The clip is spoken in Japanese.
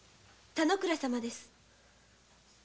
田之倉様です。